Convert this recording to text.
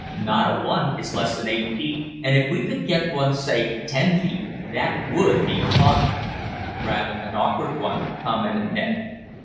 Not a one is less than eight feet, and if we could get one say ten feet that WOULD be a find." "Rather an awkward one," commented Ned.